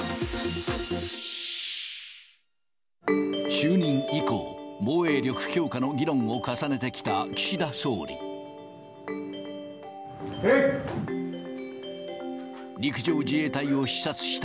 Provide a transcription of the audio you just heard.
就任以降、防衛力強化の議論を重ねてきたきしだそうり。